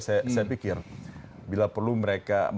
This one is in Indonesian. saya pikir bila perlu mereka